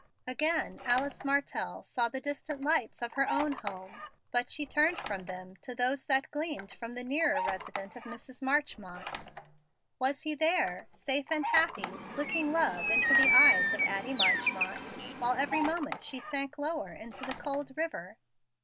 Again Alice Martell saw the distant lights of her own home, but she turned from them to those that gleamed from the nearer residence of Mrs. Marchmont. Was he there, safe and happy, looking love into the eyes of Addie Marchmont, while every moment she sank lower into the cold river?